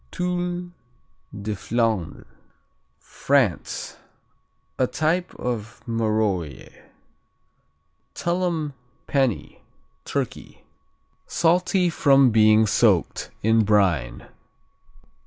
Tuile de Flandre France A type of Marolles. Tullum Penney Turkey Salty from being soaked in brine.